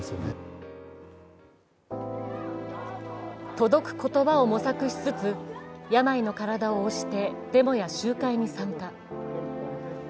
届く言葉を模索しつつ、病の体をおしてデモや集会に参加。